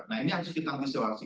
nah ini harus kita isolasi